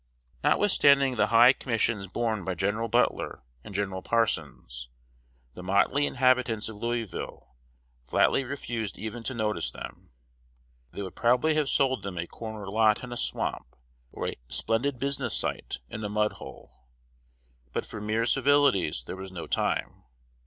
Notwithstanding the high commissions borne by Gen. Butler and Gen. Parsons, the motley inhabitants of Louisville flatly refused even to notice them. They would probably have sold them a "corner lot" in a swamp, or a "splendid business site" in a mud hole; but for mere civilities there was no time.